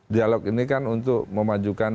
dialog ini kan untuk memajukan